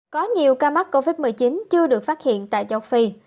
có nhiều ca mắc covid một mươi chín chưa được phát hiện tại châu phi